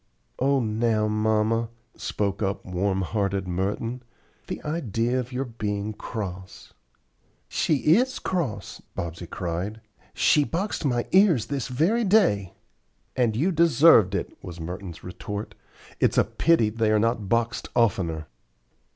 "Oh now, mamma," spoke up warm hearted Merton; "the idea of your being cross." "She IS cross," Bobsey cried; "she boxed my ears this very day." "And you deserved it," was Merton's retort. "It's a pity they are not boxed oftener."